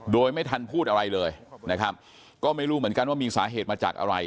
โดยไม่ทันพูดอะไรเลยนะครับก็ไม่รู้เหมือนกันว่ามีสาเหตุมาจากอะไร